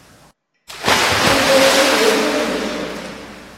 Ayla-inu d ayla-nnek.